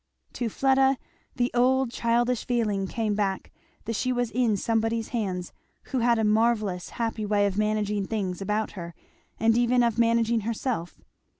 To Fleda the old childish feeling came back, that she was in somebody's hands who had a marvellous happy way of managing things about her and even of managing herself.